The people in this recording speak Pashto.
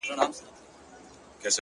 يو څه خو وايه کنه يار خبري ډيري ښې دي؛